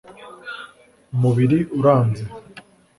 umubiri uranze’